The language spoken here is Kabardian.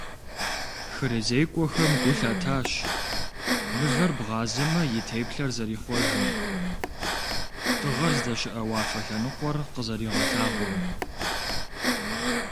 ХырызекӀуэхэм гу лъатащ, мывэр бгъазэмэ и теплъэр зэрихъуэжым, дыгъэр здэщыӀэ уафэ лъэныкъуэр къызэригъэлъагъуэм.